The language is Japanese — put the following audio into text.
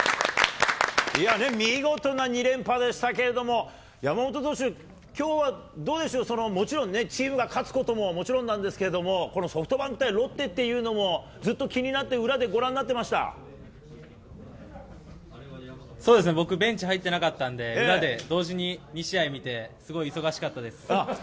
見事な２連覇でしたけれども、山本投手、きょうはどうでしょう、もちろんね、チームが勝つことももちろんなんですけども、このソフトバンク対ロッテっていうのも、ずっと気になって、そうですね、僕、ベンチ入ってなかったんで、裏で同時に２試合見て、すごい忙しかったです。